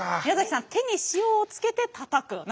宮崎さん「手に塩をつけてたたく」。